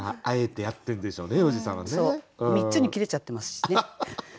あえてやってるでしょうね要次さんはね。３つに切れちゃってますしね。